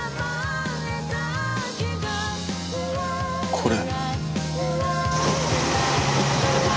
これ！